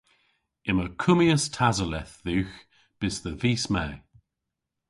Yma kummyas tasoleth dhywgh bys dhe vis Me.